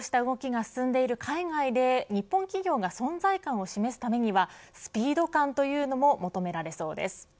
こうした動きがより進んでいる海外で日本企業が存在感を示すためにはスピード感というのも求められそうです。